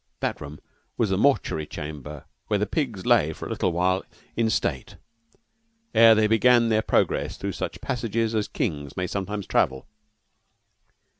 That room was the mortuary chamber where the pigs lay for a little while in state ere they began their progress through such passages as kings may sometimes travel.